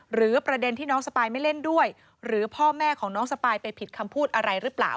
หรือประเด็นที่น้องสปายไม่เล่นด้วยหรือพ่อแม่ของน้องสปายไปผิดคำพูดอะไรหรือเปล่า